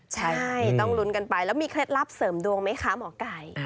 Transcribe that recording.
ใช่ต้องลุ้นกันไปแล้วมีเคล็ดลับเสริมดวงไหมคะหมอไก่